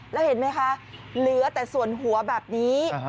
แล้วเห็นไหมคะเหลือแต่ส่วนหัวแบบนี้